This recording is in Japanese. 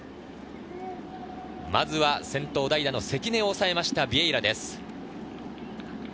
まずは先頭代打・関根を抑えましたビエイラです。